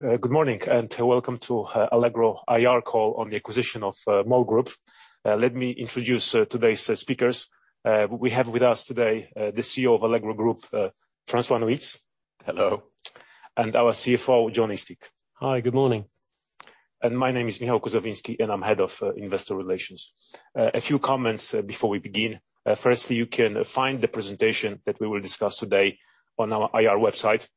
Good morning, welcome to Allegro IR call on the acquisition of Mall Group. Let me introduce today's speakers. We have with us today the CEO of Allegro Group, Francois Nuyts. Hello. And our CFO, Jon Eastick. Hi, good morning. My name is Michal Kuzawinski, and I'm head of investor relations. A few comments before we begin. Firstly, you can find the presentation that we will discuss today on our IR website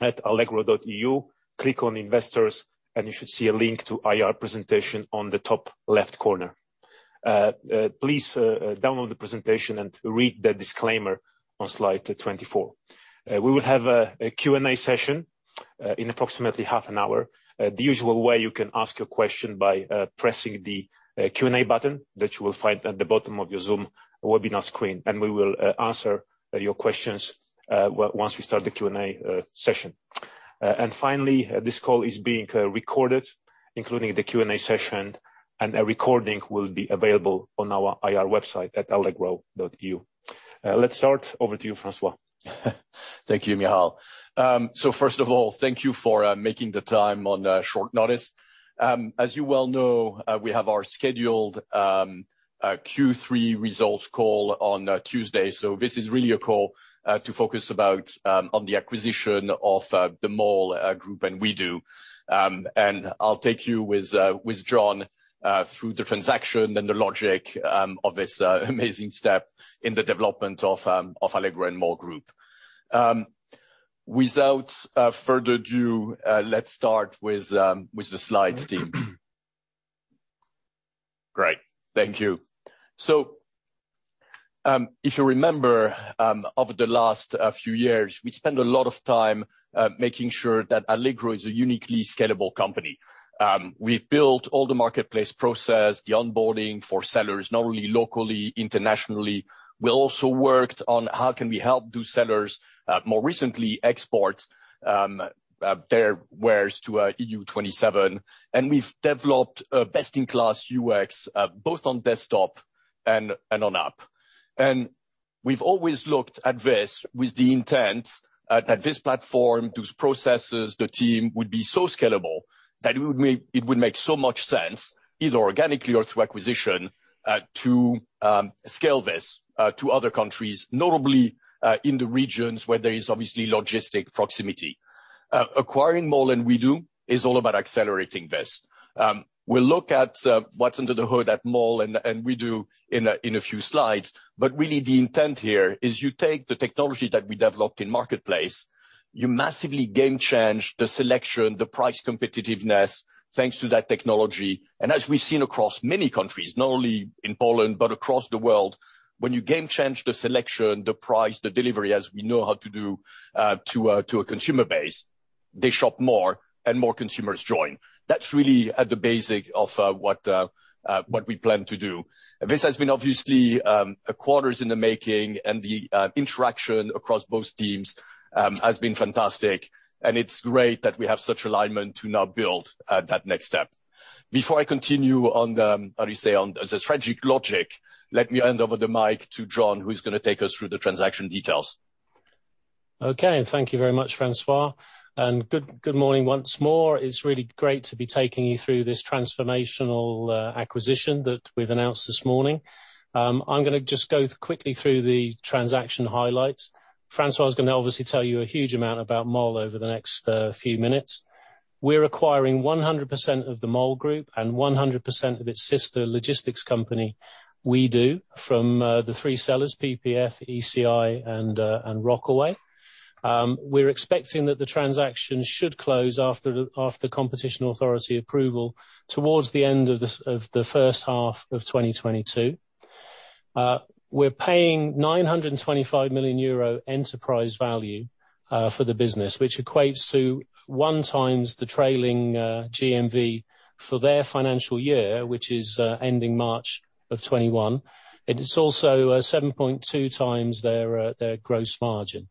at allegro.eu. Click on Investors, and you should see a link to IR Presentation on the top left corner. Please download the presentation and read the disclaimer on slide 24. We will have a Q&A session in approximately half an hour. The usual way you can ask your question by pressing the Q&A button that you will find at the bottom of your Zoom webinar screen, and we will answer your questions once we start the Q&A session. Finally, this call is being recorded, including the Q&A session, and a recording will be available on our IR website at allegro.eu. Let's start. Over to you, Francois. Thank you, Michal. First of all, thank you for making the time on short notice. As you well know, we have our scheduled Q3 results call on Tuesday. This is really a call to focus about on the acquisition of the Mall Group and WE|DO. I'll take you with Jon through the transaction and the logic of this amazing step in the development of Allegro and Mall Group. Without further ado, let's start with the slides team. Great. Thank you. If you remember, over the last few years, we spent a lot of time making sure that Allegro is a uniquely scalable company. We've built all the marketplace process, the onboarding for sellers, not only locally, internationally. We also worked on how we can help those sellers, more recently export their wares to EU 27. We've developed a best-in-class UX both on desktop and on app. We've always looked at this with the intent that this platform, those processes, the team would be so scalable that it would make so much sense, either organically or through acquisition, to scale this to other countries, notably in the regions where there is obviously logistic proximity. Acquiring Mall and WE|DO is all about accelerating this. We'll look at what's under the hood at Mall and WE|DO in a few slides, but really the intent here is you take the technology that we developed in Marketplace, you massively game change the selection, the price competitiveness thanks to that technology. As we've seen across many countries, not only in Poland, but across the world, when you game change the selection, the price, the delivery, as we know how to do, to a consumer base, they shop more and more consumers join. That's really at the basic of what we plan to do. This has been obviously quarters in the making, and the interaction across both teams has been fantastic, and it's great that we have such alignment to now build at that next step. Before I continue on, how you say, on the strategic logic, let me hand over the mic to Jon, who is gonna take us through the transaction details. Okay. Thank you very much, Francois. Good morning once more. It's really great to be taking you through this transformational acquisition that we've announced this morning. I'm gonna just go quickly through the transaction highlights. Francois is gonna obviously tell you a huge amount about Mall over the next few minutes. We're acquiring 100% of the Mall Group and 100% of its sister logistics company, WE|DO, from the three sellers, PPF, ECI and Rockaway. We're expecting that the transaction should close after the Competition Authority approval towards the end of the first half of 2022. We're paying 925 million euro enterprise value for the business, which equates to 1x the trailing GMV for their financial year, which is ending March 2021. It is also 7.2x their gross margin.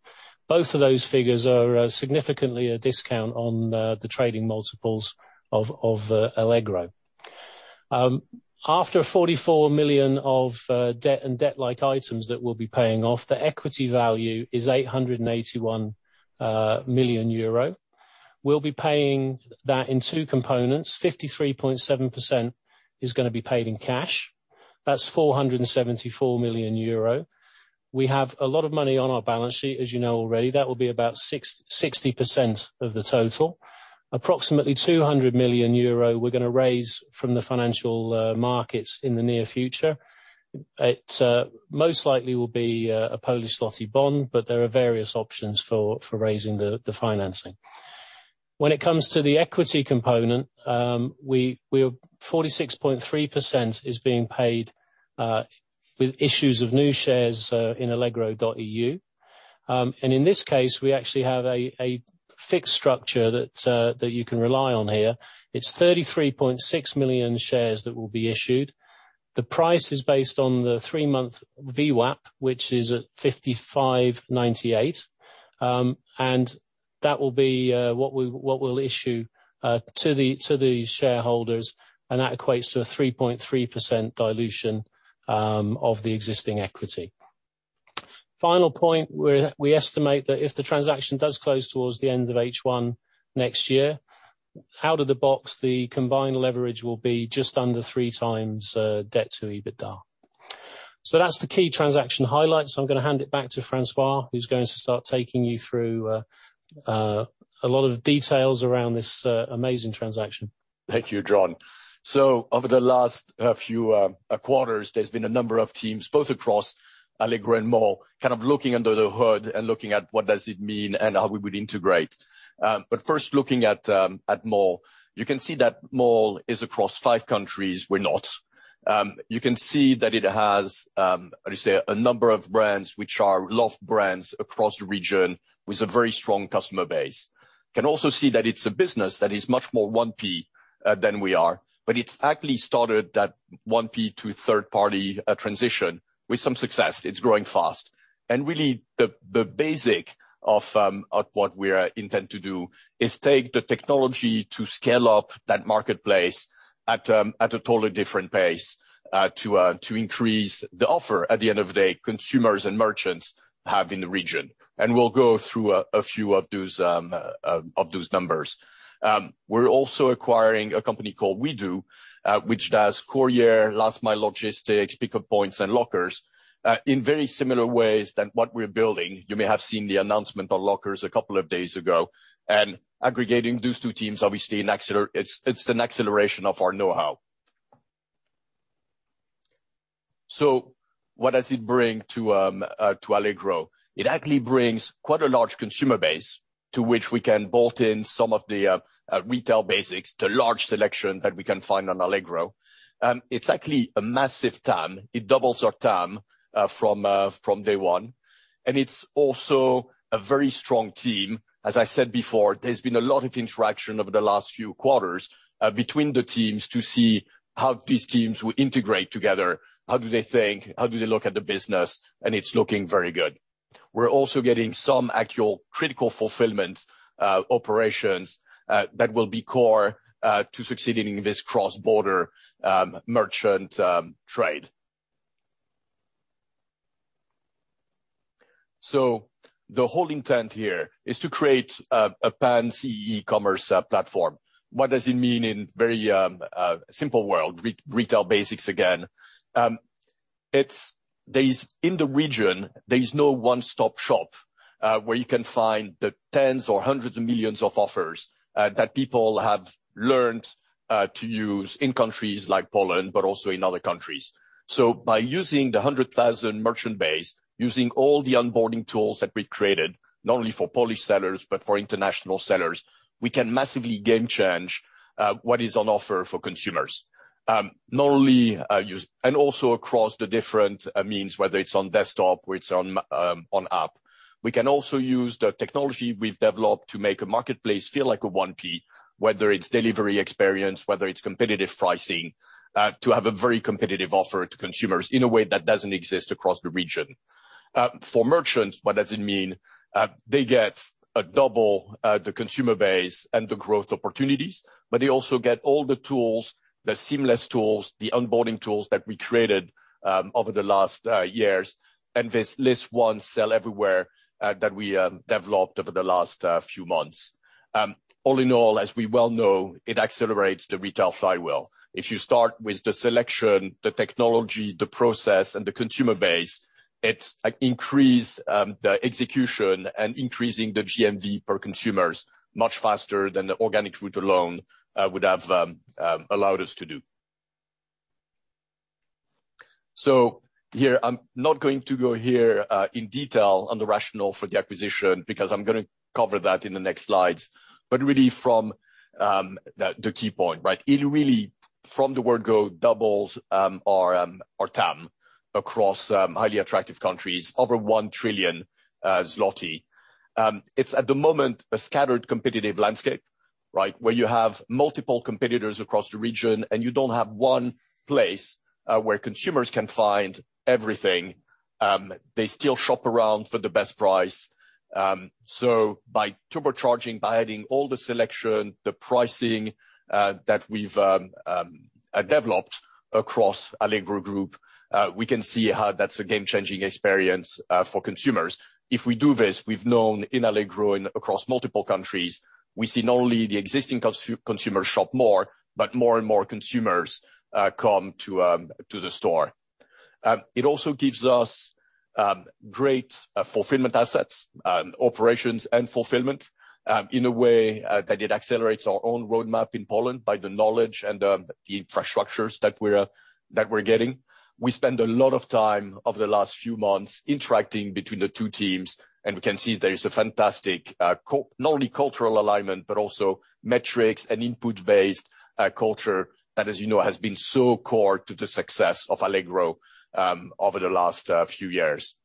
Both of those figures are significantly at a discount to the trading multiples of Allegro. After 44 million of debt and debt-like items that we'll be paying off, the equity value is 881 million euro. We'll be paying that in two components. 53.7% is gonna be paid in cash. That's 474 million euro. We have a lot of money on our balance sheet, as you know already. That will be about 60% of the total. Approximately 200 million euro we're gonna raise from the financial markets in the near future. It most likely will be a Polish zloty bond, but there are various options for raising the financing. When it comes to the equity component, we are 46.3% being paid with issues of new shares in allegro.eu. In this case, we actually have a fixed structure that you can rely on here. It's 33.6 million shares that will be issued. The price is based on the three-month VWAP, which is at 55.98. That will be what we'll issue to the shareholders, and that equates to a 3.3% dilution of the existing equity. Final point, we estimate that if the transaction does close towards the end of H1 next year, out of the box, the combined leverage will be just under 3x debt to EBITDA. That's the key transaction highlights. I'm gonna hand it back to Francois, who's going to start taking you through a lot of details around this amazing transaction. Thank you, Jon. Over the last few quarters, there's been a number of teams, both across Allegro and Mall, kind of looking under the hood and looking at what does it mean and how we would integrate. First looking at Mall, you can see that Mall is across five countries we're not. You can see that it has how you say, a number of brands which are love brands across the region with a very strong customer base. Can also see that it's a business that is much more 1P than we are, but it's actually started that 1P to 3P transition with some success. It's growing fast. Really, the basics of what we intend to do is take the technology to scale up that marketplace at a totally different pace to increase the offer at the end of the day consumers and merchants have in the region. We'll go through a few of those numbers. We're also acquiring a company called WE|DO, which does courier, last mile logistics, pickup points, and lockers in very similar ways than what we're building. You may have seen the announcement on lockers a couple of days ago. Aggregating those two teams, obviously it's an acceleration of our know-how. What does it bring to Allegro? It actually brings quite a large consumer base to which we can bolt in some of the retail basics, the large selection that we can find on Allegro. It's actually a massive TAM. It doubles our TAM from day one. It's also a very strong team. As I said before, there's been a lot of interaction over the last few quarters between the teams to see how these teams will integrate together, how do they think, how do they look at the business, and it's looking very good. We're also getting some actual critical fulfillment operations that will be core to succeeding in this cross-border merchant trade. The whole intent here is to create a pan-CEE e-commerce platform. What does it mean in very simple words, retail basics again? In the region, there is no one-stop-shop where you can find the tens or hundreds of millions of offers that people have learned to use in countries like Poland, but also in other countries. By using the 100,000 merchant base, using all the onboarding tools that we've created, not only for Polish sellers, but for international sellers, we can massively game change what is on offer for consumers. Not only and also across the different means whether it's on desktop, or it's on app. We can also use the technology we've developed to make a marketplace feel like a 1P, whether it's delivery experience, whether it's competitive pricing to have a very competitive offer to consumers in a way that doesn't exist across the region. For merchants, what does it mean? They get double the consumer base and the growth opportunities, but they also get all the tools, the seamless tools, the onboarding tools that we created over the last years, and this list once sell everywhere that we developed over the last few months. All in all, as we well know, it accelerates the retail flywheel. If you start with the selection, the technology, the process, and the consumer base, it increase the execution and increasing the GMV per consumers much faster than the organic route alone would have allowed us to do. Here, I'm not going to go into detail on the rationale for the acquisition because I'm gonna cover that in the next slides. Really from the key point, right? It really, from the word go, doubles our TAM across highly attractive countries, over 1 trillion zloty. It's at the moment a scattered competitive landscape, right? Where you have multiple competitors across the region and you don't have one place where consumers can find everything. They still shop around for the best price. By turbocharging, by adding all the selection, the pricing that we've developed across Allegro Group, we can see how that's a game-changing experience for consumers. If we do this, we've known in Allegro and across multiple countries, we see not only the existing consumers shop more, but more and more consumers come to the store. It also gives us great fulfillment assets, operations and fulfillment, in a way that it accelerates our own roadmap in Poland by the knowledge and the infrastructures that we're getting. We spend a lot of time over the last few months interacting between the two teams, and we can see there is a fantastic not only cultural alignment, but also metrics and input-based culture that, as you know, has been so core to the success of Allegro over the last few years.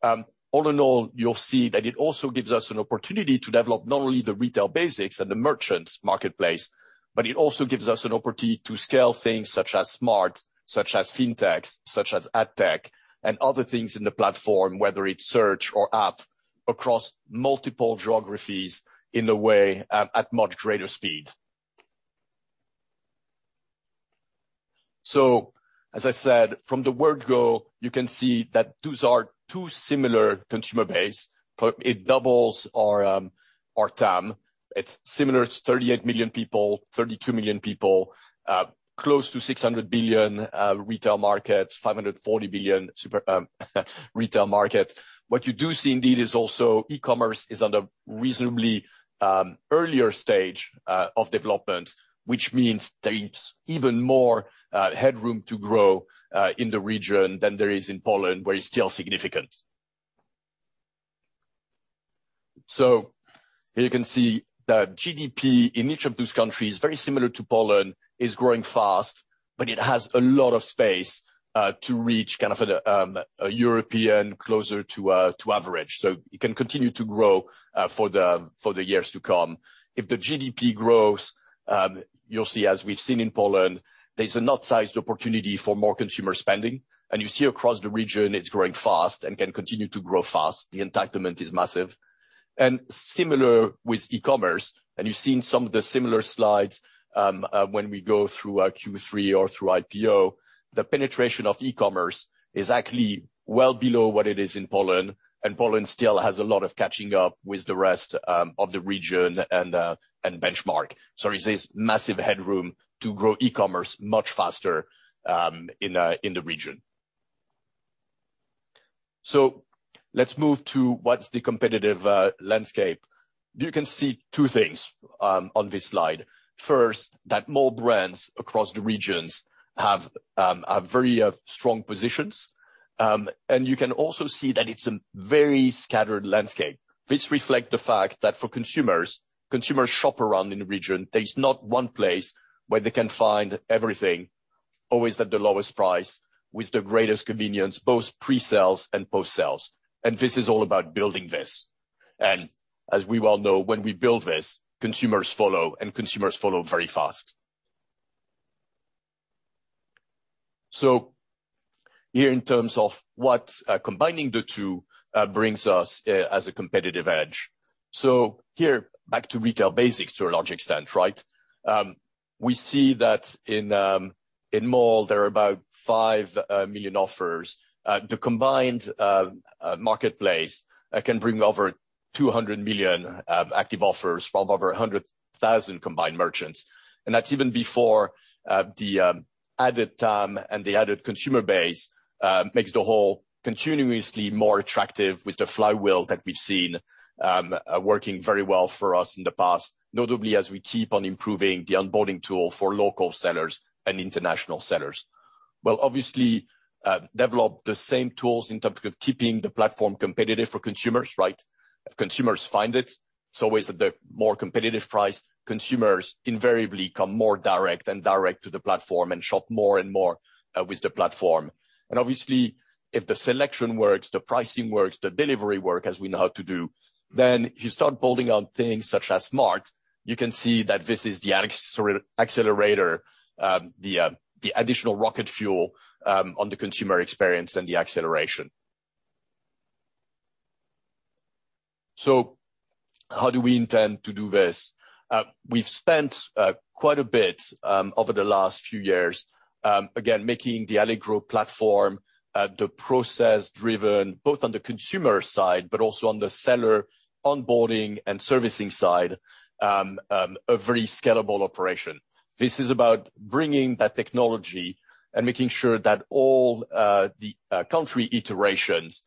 All in all, you'll see that it also gives us an opportunity to develop not only the retail basics and the merchants marketplace, but it also gives us an opportunity to scale things such as Smart!, such as fintechs, such as ad tech, and other things in the platform, whether it's search or app, across multiple geographies in a way, at much greater speed. As I said, from the word go, you can see that those are two similar consumer base, but it doubles our TAM. It's similar to 38 million people, 32 million people, close to 600 billion retail market, 540 billion super retail market. What you do see indeed is also e-commerce is on a reasonably earlier stage of development, which means there is even more headroom to grow in the region than there is in Poland, where it's still significant. Here you can see that GDP in each of those countries, very similar to Poland, is growing fast, but it has a lot of space to reach closer to a European average. It can continue to grow for the years to come. If the GDP grows, you'll see, as we've seen in Poland, there's an outsized opportunity for more consumer spending. You see across the region, it's growing fast and can continue to grow fast. The entitlement is massive. Similar with e-commerce, and you've seen some of the similar slides, when we go through our Q3 or through IPO, the penetration of e-commerce is actually well below what it is in Poland. Poland still has a lot of catching up with the rest of the region and benchmark. There's this massive headroom to grow e-commerce much faster in the region. Let's move to what's the competitive landscape. You can see two things on this slide. First, that more brands across the regions have a very strong positions. You can also see that it's a very scattered landscape. This reflect the fact that for consumers shop around in the region. There is not one place where they can find everything, always at the lowest price with the greatest convenience, both pre-sales and post-sales. This is all about building this. As we well know, when we build this, consumers follow, and consumers follow very fast. Here in terms of what, combining the two, brings us, as a competitive edge. Here, back to retail basics to a large extent, right? We see that in Mall there are about 5 million offers. The combined marketplace can bring over 200 million active offers from over 100,000 combined merchants. That's even before the added TAM and the added consumer base makes the whole continuously more attractive with the flywheel that we've seen working very well for us in the past, notably as we keep on improving the onboarding tool for local sellers and international sellers. We'll obviously develop the same tools in terms of keeping the platform competitive for consumers, right? If consumers find it's always at the more competitive price. Consumers invariably come more direct to the platform and shop more and more with the platform. Obviously, if the selection works, the pricing works, the delivery works, as we know how to do, then if you start building on things such as Smart!, you can see that this is the accelerator, the additional rocket fuel on the consumer experience and the acceleration. How do we intend to do this? We've spent quite a bit over the last few years, again, making the Allegro platform the process-driven, both on the consumer side, but also on the seller onboarding and servicing side, a very scalable operation. This is about bringing that technology and making sure that all the country iterations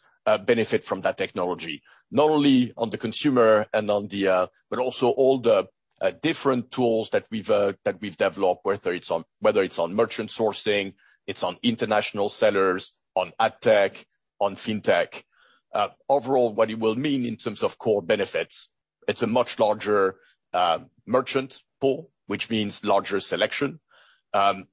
benefit from that technology, not only on the consumer but also all the different tools that we've developed, whether it's on merchant sourcing, it's on international sellers, on ad tech, on fintech. Overall, what it will mean in terms of core benefits, it's a much larger merchant pool, which means larger selection.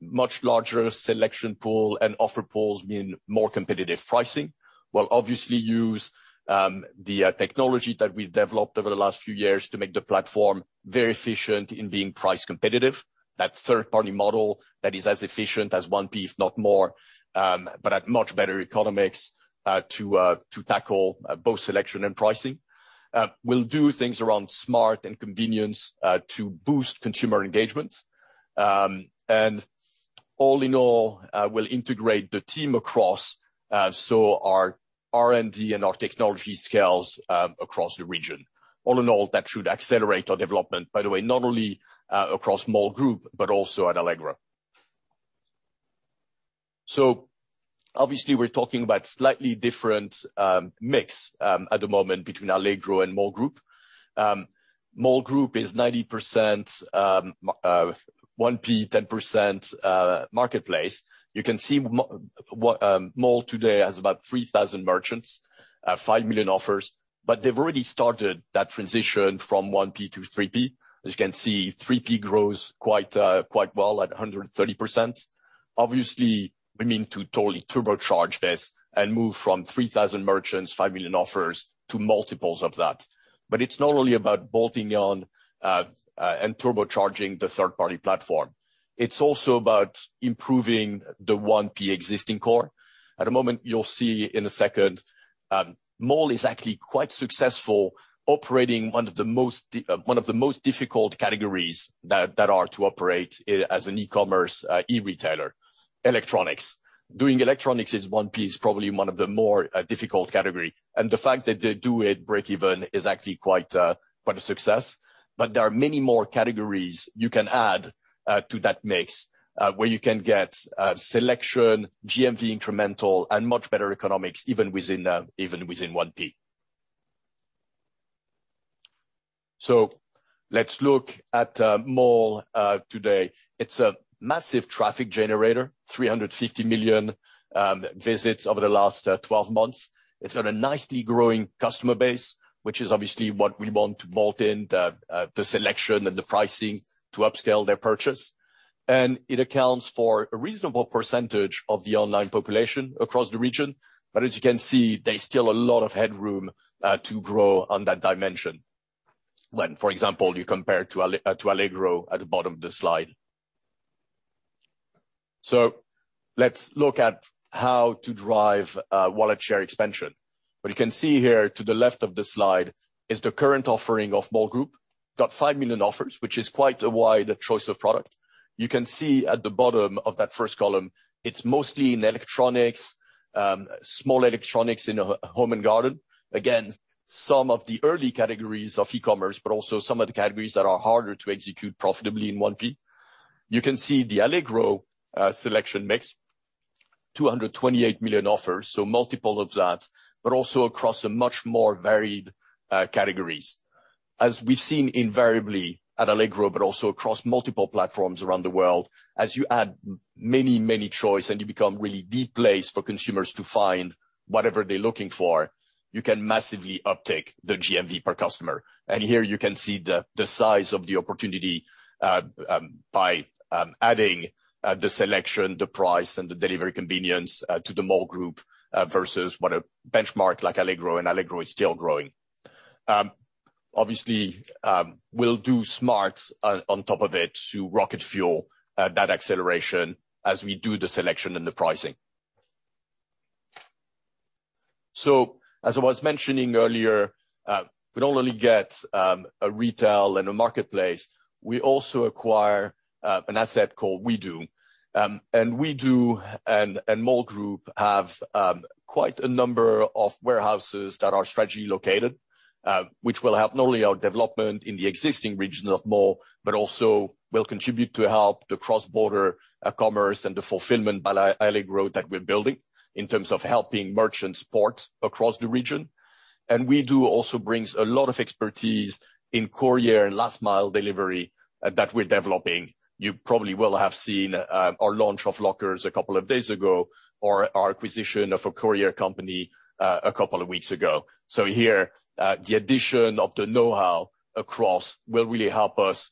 Much larger selection pool and offer pools mean more competitive pricing. We'll obviously use the technology that we've developed over the last few years to make the platform very efficient in being price competitive. That third-party model that is as efficient as 1P, if not more, but at much better economics to tackle both selection and pricing. We'll do things around Smart! and convenience to boost consumer engagement. All in all, we'll integrate the team across so our R&D and our technology scales across the region. All in all, that should accelerate our development, by the way, not only across Mall Group, but also at Allegro. Obviously we're talking about slightly different mix at the moment between Allegro and Mall Group. Mall Group is 90% 1P, 10% marketplace. You can see Mall today has about 3,000 merchants, five million offers, but they've already started that transition from 1P to 3P. As you can see, 3P grows quite well at 130%. Obviously, we mean to totally turbocharge this and move from 3,000 merchants, five million offers, to multiples of that. It's not only about bolting on and turbocharging the third-party platform. It's also about improving the 1P existing core. At the moment, you'll see in a second, Mall is actually quite successful operating one of the most difficult categories that are to operate as an e-commerce e-retailer, electronics. Doing electronics as 1P is probably one of the more difficult category. The fact that they do it break even is actually quite a success. There are many more categories you can add to that mix, where you can get selection, GMV incremental, and much better economics, even within 1P. Let's look at Mall today. It's a massive traffic generator, 350 million visits over the last twelve months. It's got a nicely growing customer base, which is obviously what we want to bolt in the selection and the pricing to upscale their purchase. It accounts for a reasonable percentage of the online population across the region. As you can see, there's still a lot of headroom to grow on that dimension when, for example, you compare it to Allegro at the bottom of the slide. Let's look at how to drive wallet share expansion. What you can see here to the left of the slide is the current offering of Mall Group. Got five million offers, which is quite a wide choice of product. You can see at the bottom of that first column, it's mostly in electronics, small electronics in the home and garden. Again, some of the early categories of e-commerce, but also some of the categories that are harder to execute profitably in 1P. You can see the Allegro selection mix, 228 million offers, so multiple of that, but also across a much more varied categories. As we've seen invariably at Allegro but also across multiple platforms around the world, as you add many choice and you become really the place for consumers to find whatever they're looking for, you can massively uptake the GMV per customer. Here you can see the size of the opportunity by adding the selection, the price, and the delivery convenience to the Mall Group versus what a benchmark like Allegro, and Allegro is still growing. Obviously, we'll do Smart! on top of it to rocket fuel that acceleration as we do the selection and the pricing. As I was mentioning earlier, we don't only get a retail and a marketplace, we also acquire an asset called WE|DO. WE|DO and Mall Group have quite a number of warehouses that are strategically located, which will help not only our development in the existing region of Mall, but also will contribute to help the cross-border commerce and the fulfillment by Allegro that we're building in terms of helping merchants port across the region. WE|DO also brings a lot of expertise in courier and last mile delivery that we're developing. You probably will have seen our launch of lockers a couple of days ago or our acquisition of a courier company a couple of weeks ago. Here, the addition of the know-how across will really help us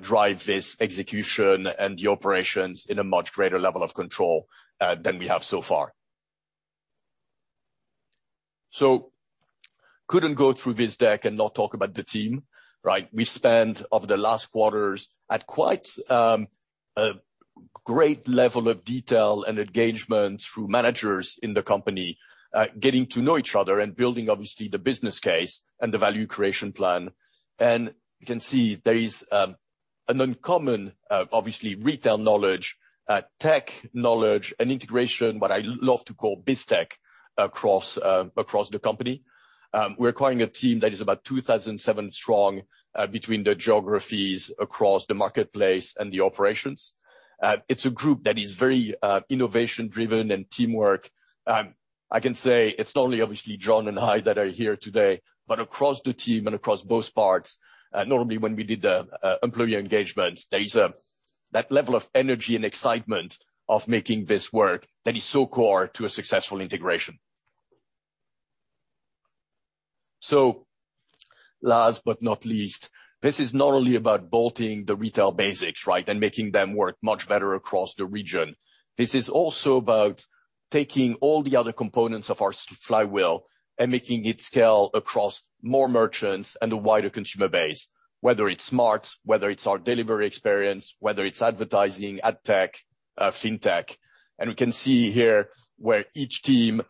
drive this execution and the operations in a much greater level of control than we have so far. Couldn't go through this deck and not talk about the team, right? We spent over the last quarters at quite a great level of detail and engagement through managers in the company, getting to know each other and building obviously the business case and the value creation plan. You can see there is an uncommon obviously retail knowledge, tech knowledge and integration, what I love to call Biztech, across the company. We're acquiring a team that is about 2,007 strong between the geographies across the marketplace and the operations. It's a group that is very innovation driven and teamwork. I can say it's not only obviously Jon and I that are here today, but across the team and across both parts, normally when we did the employee engagements, there is that level of energy and excitement of making this work that is so core to a successful integration. Last but not least, this is not only about bolting the retail basics, right? Making them work much better across the region. This is also about taking all the other components of our flywheel and making it scale across more merchants and a wider consumer base, whether it's Smart!, whether it's our delivery experience, whether it's advertising, ad tech, fintech. We can see here where each team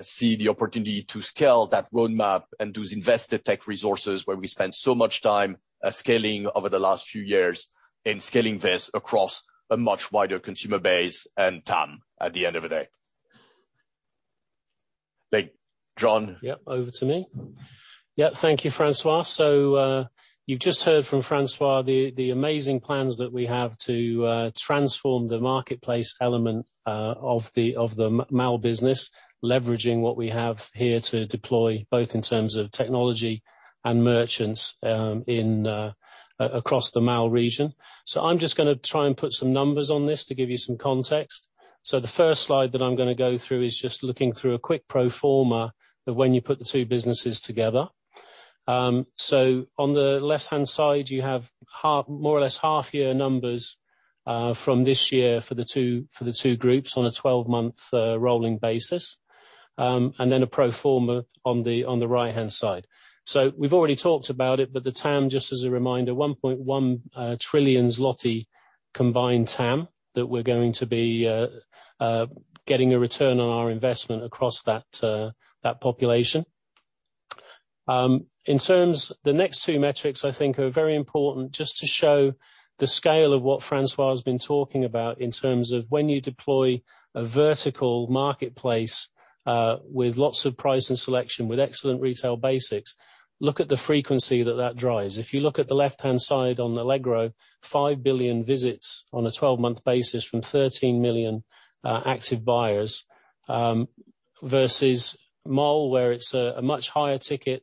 see the opportunity to scale that roadmap and those invested tech resources where we spent so much time scaling over the last few years and scaling this across a much wider consumer base and TAM at the end of the day. Jon? Yep, over to me. Yeah, thank you, Francois. You've just heard from Francois the amazing plans that we have to transform the marketplace element of the Mall business, leveraging what we have here to deploy, both in terms of technology and merchants, across the Mall region. I'm just gonna try and put some numbers on this to give you some context. The first slide that I'm gonna go through is just looking through a quick pro forma of when you put the two businesses together. On the left-hand side, you have half, more or less half-year numbers from this year for the two groups on a twelve-month rolling basis, and then a pro forma on the right-hand side. We've already talked about it, but the TAM, just as a reminder, 1.1 trillion zloty combined TAM that we're going to be getting a return on our investment across that population. The next two metrics I think are very important just to show the scale of what Francois has been talking about in terms of when you deploy a vertical marketplace with lots of price and selection, with excellent retail basics, look at the frequency that that drives. If you look at the left-hand side on Allegro, five billion visits on a 12-month basis from 13 million active buyers, versus Mall, where it's a much higher ticket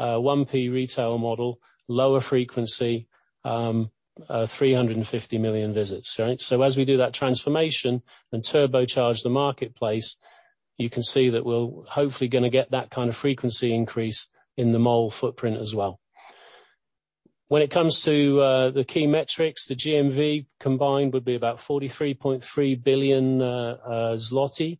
1P retail model, lower frequency, 350 million visits, right? As we do that transformation and turbocharge the marketplace, you can see that we're hopefully gonna get that kind of frequency increase in the Mall footprint as well. When it comes to the key metrics, the GMV combined would be about 43.3 billion zloty.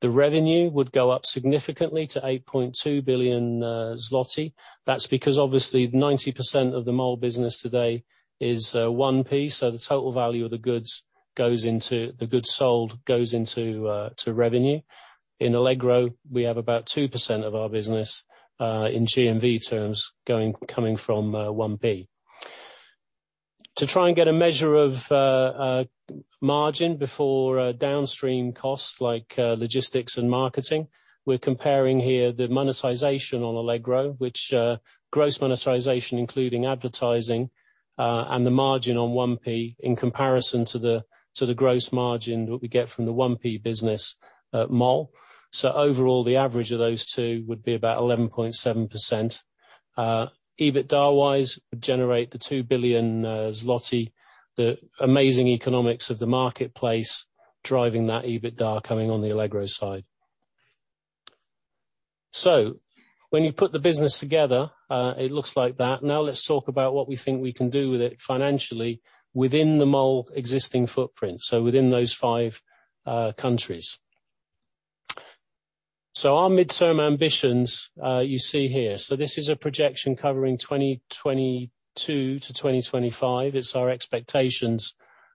The revenue would go up significantly to 8.2 billion zloty. That's because obviously 90% of the Mall business today is 1P, so the total value of the goods sold goes into revenue. In Allegro, we have about 2% of our business in GMV terms coming from 1P. To try and get a measure of margin before downstream costs like logistics and marketing, we're comparing here the monetization on Allegro, which gross monetization, including advertising, and the margin on 1P in comparison to the gross margin that we get from the 1P business at Mall. Overall, the average of those two would be about 11.7%. EBITDA-wise, would generate 2 billion zloty, the amazing economics of the marketplace driving that EBITDA coming on the Allegro side. When you put the business together, it looks like that. Now let's talk about what we think we can do with it financially within the Mall existing footprint, so within those five countries. Our midterm ambitions you see here. This is a projection covering 2022 to 2025. It's our expectations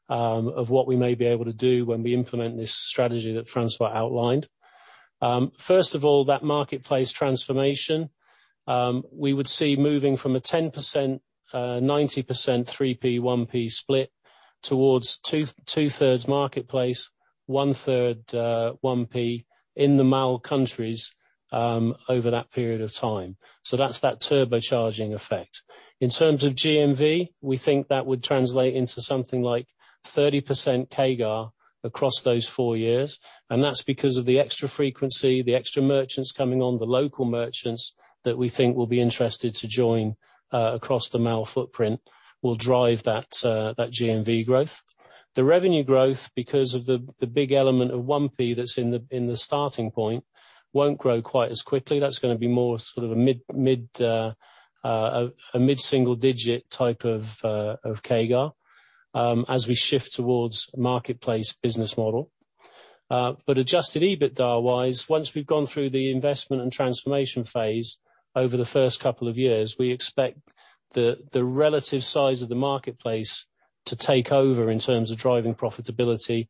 of what we may be able to do when we implement this strategy that Francois outlined. First of all, that marketplace transformation, we would see moving from a 10%, 90% 3P, 1P split towards two-thirds marketplace, one-third 1P in the Mall countries, over that period of time. That's that turbocharging effect. In terms of GMV, we think that would translate into something like 30% CAGR across those four years, and that's because of the extra frequency, the extra merchants coming on, the local merchants that we think will be interested to join, across the Mall footprint will drive that that GMV growth. The revenue growth, because of the big element of 1P that's in the starting point, won't grow quite as quickly. That's gonna be more sort of a mid-single digit type of CAGR as we shift towards marketplace business model. But adjusted EBITDA-wise, once we've gone through the investment and transformation phase over the first couple of years, we expect the relative size of the marketplace to take over in terms of driving profitability,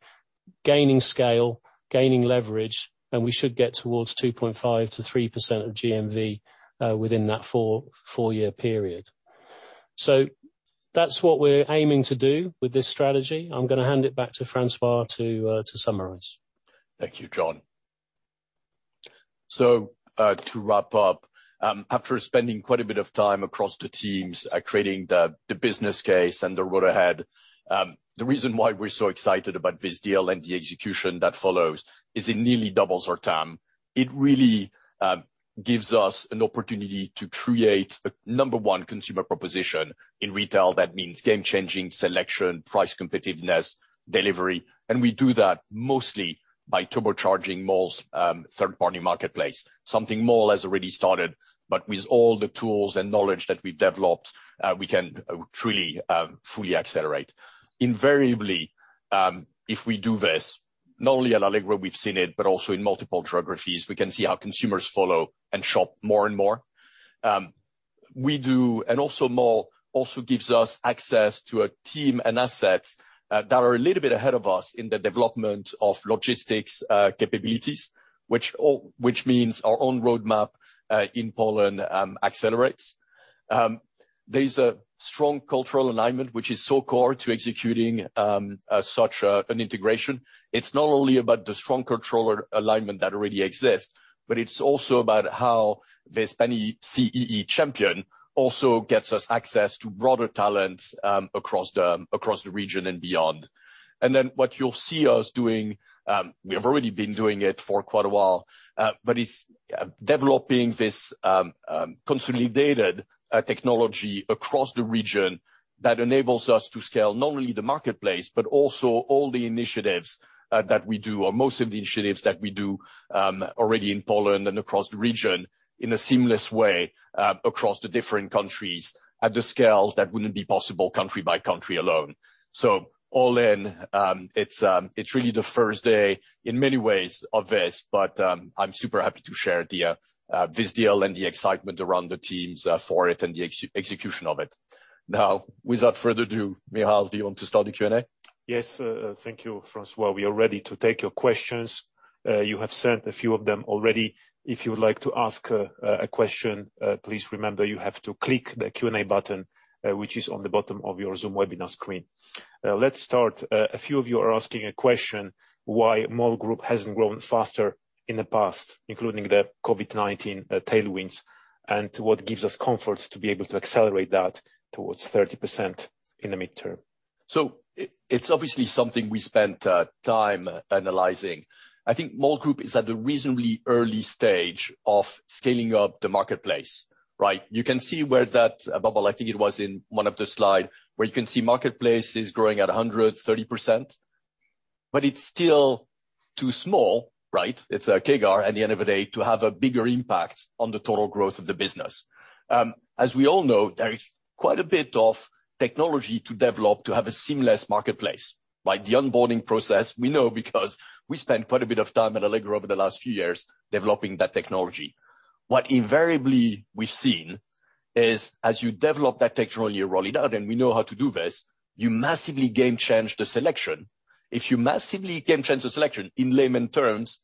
gaining scale, gaining leverage, and we should get towards 2.5%-3% of GMV within that four-year period. That's what we're aiming to do with this strategy. I'm gonna hand it back to Francois to summarize. Thank you, Jon. To wrap up, after spending quite a bit of time across the teams, creating the business case and the road ahead, the reason why we're so excited about this deal and the execution that follows is it nearly doubles our TAM. It really gives us an opportunity to create a number one consumer proposition. In retail, that means game-changing selection, price competitiveness, delivery, and we do that mostly by turbocharging Mall's third-party marketplace. Something Mall has already started, but with all the tools and knowledge that we've developed, we can truly fully accelerate. Invariably, if we do this, not only at Allegro we've seen it, but also in multiple geographies, we can see our consumers follow and shop more and more. We do, and also Mall also gives us access to a team and assets that are a little bit ahead of us in the development of logistics capabilities, which means our own roadmap in Poland accelerates. There is a strong cultural alignment which is so core to executing such an integration. It's not only about the strong cultural alignment that already exists, but it's also about how this pan-CEE champion also gets us access to broader talent across the region and beyond. What you'll see us doing, we have already been doing it for quite a while, but it's developing this consolidated technology across the region that enables us to scale not only the marketplace, but also all the initiatives that we do, or most of the initiatives that we do, already in Poland and across the region in a seamless way, across the different countries at the scale that wouldn't be possible country by country alone. All in, it's really the first day in many ways of this, but I'm super happy to share this deal and the excitement around the teams for it and the execution of it. Now, without further ado, Michal, do you want to start the Q&A? Yes, thank you, Francois. We are ready to take your questions. You have sent a few of them already. If you would like to ask a question, please remember you have to click the Q&A button, which is on the bottom of your Zoom webinar screen. Let's start. A few of you are asking a question why Mall Group hasn't grown faster in the past, including the COVID-19 tailwinds, and what gives us comfort to be able to accelerate that towards 30% in the midterm. It's obviously something we spent time analyzing. I think Mall Group is at a reasonably early stage of scaling up the marketplace, right? You can see where that bubble, I think it was in one of the slide, where you can see marketplace is growing at 130%. It's still too small, right? It's a CAGR at the end of the day to have a bigger impact on the total growth of the business. As we all know, there is quite a bit of technology to develop to have a seamless marketplace. Like the onboarding process, we know because we spent quite a bit of time at Allegro over the last few years developing that technology. What invariably we've seen is as you develop that technology, you roll it out, and we know how to do this, you massively game change the selection. If you massively game change the selection, in layman terms,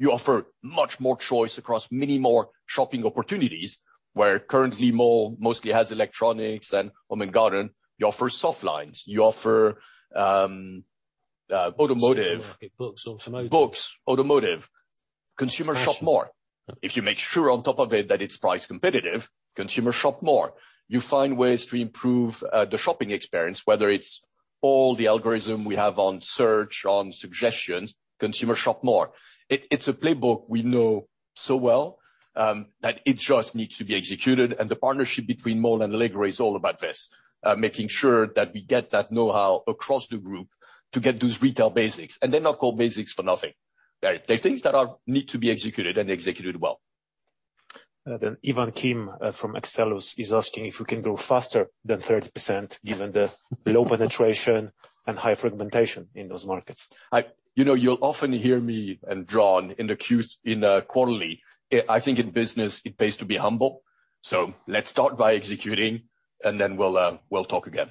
you offer much more choice across many more shopping opportunities, where currently Mall mostly has electronics and home and garden. You offer soft lines. You offer automotive- Books, automotive. Books, automotive. Consumers shop more. If you make sure on top of it that it's price competitive, consumers shop more. You find ways to improve the shopping experience, whether it's all the algorithm we have on search, on suggestions, consumers shop more. It's a playbook we know so well that it just needs to be executed, and the partnership between Mall and Allegro is all about this, making sure that we get that know-how across the group to get those retail basics. They're not called basics for nothing. They're things that are need to be executed and executed well. Ivan Kim from AllianceBernstein is asking if we can grow faster than 30% given the low penetration and high fragmentation in those markets. You know, you'll often hear me and Jon in the quarterly. I think in business it pays to be humble. Let's start by executing, and then we'll talk again.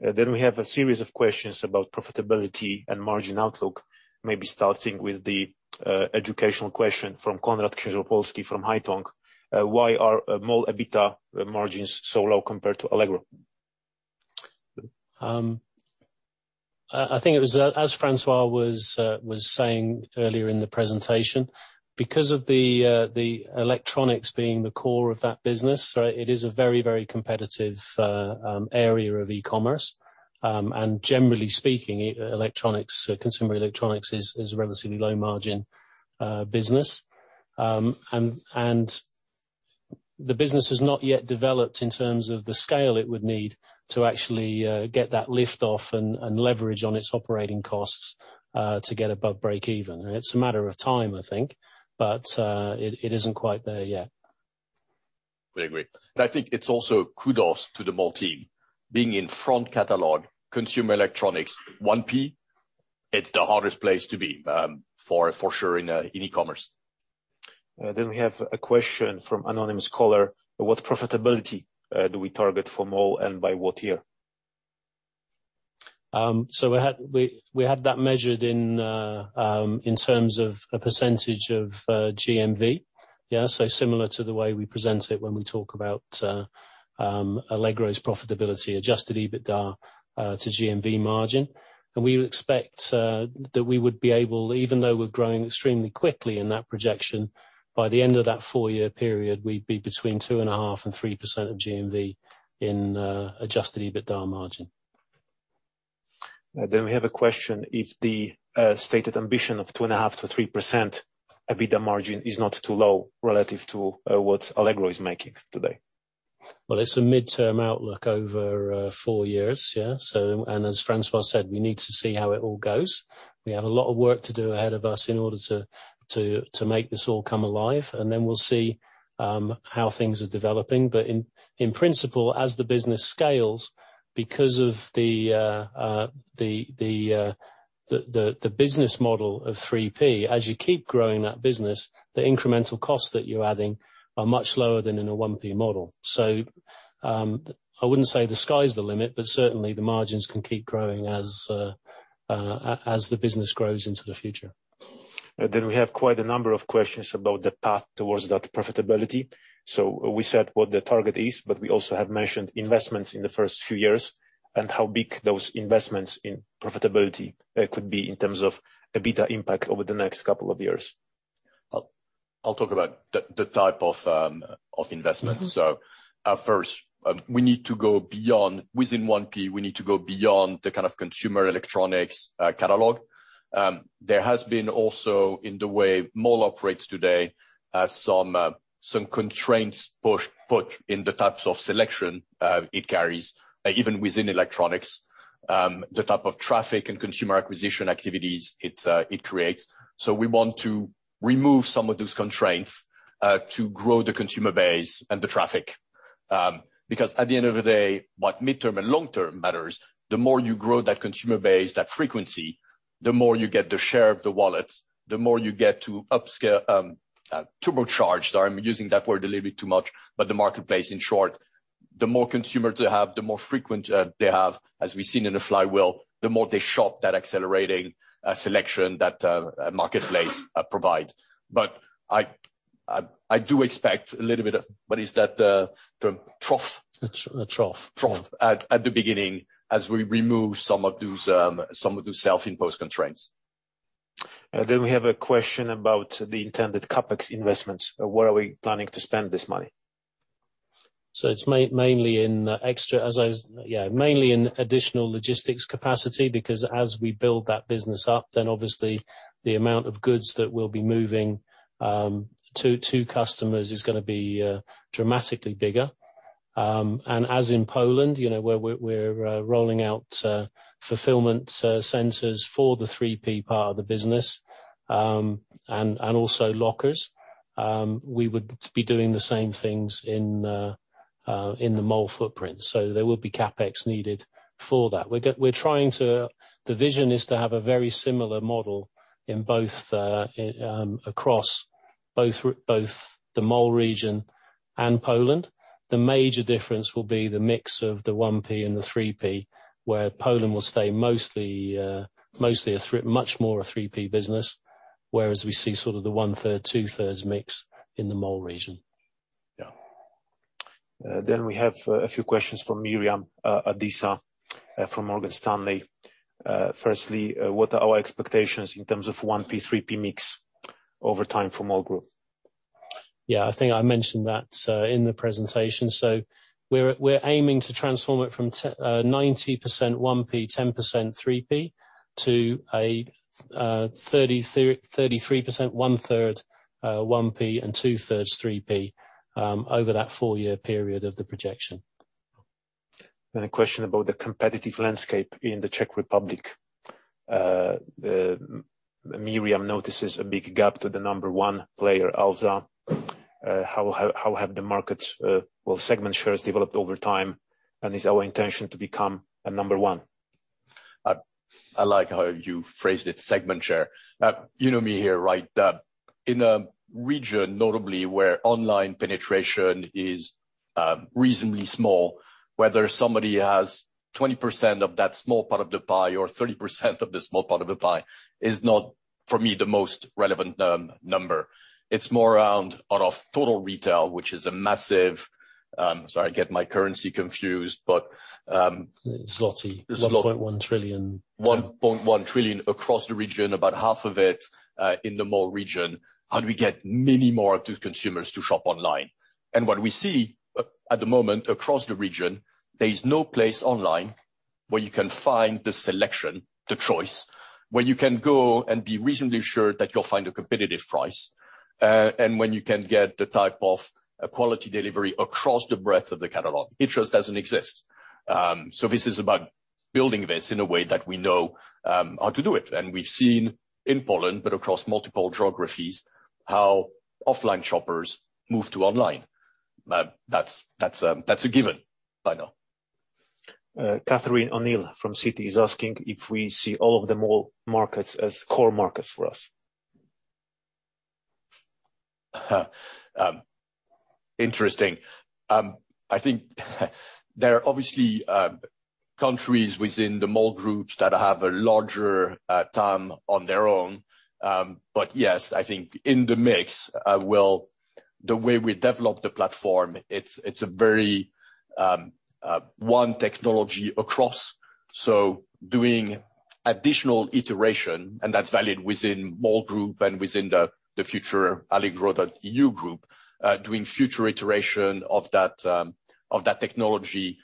We have a series of questions about profitability and margin outlook, maybe starting with the educational question from Konrad Księżopolski from Haitong. Why are Mall EBITDA margins so low compared to Allegro? I think it was, as Francois was saying earlier in the presentation, because of the electronics being the core of that business, right, it is a very competitive area of e-commerce. Generally speaking, electronics, consumer electronics, is a relatively low-margin business. The business has not yet developed in terms of the scale it would need to actually get that liftoff and leverage on its operating costs to get above break-even. It's a matter of time, I think, but it isn't quite there yet. We agree. I think it's also kudos to the Mall team. Being in front catalog consumer electronics, 1P, it's the hardest place to be, for sure in e-commerce. We have a question from anonymous caller. What profitability do we target for Mall and by what year? We had that measured in terms of a percentage of GMV. Yeah, similar to the way we present it when we talk about Allegro's profitability adjusted EBITDA to GMV margin. We expect that we would be able, even though we're growing extremely quickly in that projection, by the end of that four-year period, we'd be between 2.5% and 3% of GMV in adjusted EBITDA margin. We have a question if the stated ambition of 2.5%-3% EBITDA margin is not too low relative to what Allegro is making today? Well, it's a midterm outlook over four years. As Francois said, we need to see how it all goes. We have a lot of work to do ahead of us in order to make this all come alive, and then we'll see how things are developing. In principle, as the business scales, because of the business model of 3P, as you keep growing that business, the incremental costs that you're adding are much lower than in a 1P model. I wouldn't say the sky's the limit, but certainly the margins can keep growing as the business grows into the future. We have quite a number of questions about the path towards that profitability. We said what the target is, but we also have mentioned investments in the first few years and how big those investments in profitability could be in terms of EBITDA impact over the next couple of years. I'll talk about the type of investment. Mm-hmm. First, we need to go beyond, within 1P, we need to go beyond the kind of consumer electronics catalog. There has been also in the way Mall operates today, some constraints put in the types of selection it carries, even within electronics, the type of traffic and consumer acquisition activities it creates. We want to remove some of those constraints to grow the consumer base and the traffic. Because at the end of the day, what midterm and long term matters, the more you grow that consumer base, that frequency. The more you get the share of the wallet, the more you get to upscale, turbocharge. Sorry, I'm using that word a little bit too much, but the marketplace, in short, the more consumers they have, the more frequent they have, as we've seen in the flywheel, the more they shop that accelerating selection that marketplace provide. But I do expect a little bit of what is that term? Trough. Trough. At the beginning as we remove some of those self-imposed constraints. We have a question about the intended CapEx investments. Where are we planning to spend this money? It's mainly in additional logistics capacity because as we build that business up, then obviously the amount of goods that we'll be moving to customers is gonna be dramatically bigger. And as in Poland, you know, where we're rolling out fulfillment centers for the 3P part of the business, and also lockers, we would be doing the same things in the Mall footprint. There will be CapEx needed for that. The vision is to have a very similar model in both, across both the Mall region and Poland. The major difference will be the mix of the 1P and the 3P, where Poland will stay mostly much more a 3P business, whereas we see sort of the one-third, two-thirds mix in the Mall region. We have a few questions from Miriam Adisa from Morgan Stanley. Firstly, what are our expectations in terms of 1P, 3P mix over time for Mall Group? Yeah, I think I mentioned that in the presentation. We're aiming to transform it from 90% 1P, 10% 3P to a 33%, one-third 1P and two-thirds 3P over that four-year period of the projection. A question about the competitive landscape in the Czech Republic. Miriam notices a big gap to the number one player, Alza. How have the markets, well, segment shares developed over time, and is our intention to become a number one? I like how you phrased it, segment share. You know me here, right? In a region, notably where online penetration is reasonably small, whether somebody has 20% of that small part of the pie or 30% of the small part of the pie is not, for me, the most relevant number. It's more around out of total retail, which is a massive. Sorry, I get my currency confused, but. Zloty 1.1 trillion. 1.1 trillion across the region, about half of it in the Mall region. How do we get many more of those consumers to shop online? What we see at the moment across the region, there is no place online where you can find the selection, the choice, where you can go and be reasonably assured that you'll find a competitive price, and when you can get the type of quality delivery across the breadth of the catalog. It just doesn't exist. This is about building this in a way that we know how to do it. We've seen in Poland, but across multiple geographies, how offline shoppers move to online. That's a given, I know. Catherine O'Neill from Citi is asking if we see all of the Mall markets as core markets for us. Interesting. I think there are obviously countries within the Mall Group that have a larger TAM on their own. Yes, I think in the mix, well, the way we develop the platform, it's a very one technology across. Doing additional iteration, and that's valid within Mall Group and within the future Allegro.eu group, doing future iteration of that technology,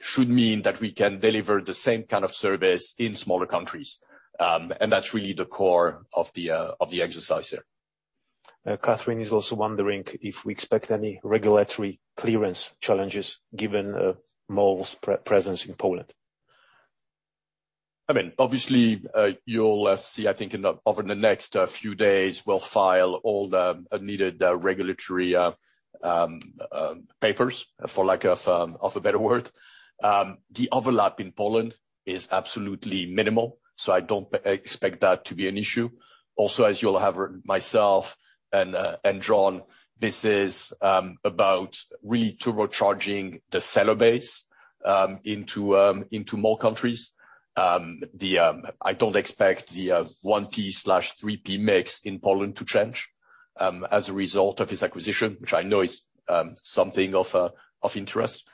should mean that we can deliver the same kind of service in smaller countries. That's really the core of the exercise here. Catherine is also wondering if we expect any regulatory clearance challenges given Mall's presence in Poland. I mean, obviously, you'll see, I think over the next few days, we'll file all the needed regulatory papers, for lack of a better word. The overlap in Poland is absolutely minimal, so I don't expect that to be an issue. Also, as you'll have heard, myself and John, this is about really turbocharging the seller base into more countries. I don't expect the 1P/3P mix in Poland to change as a result of this acquisition, which I know is something of interest.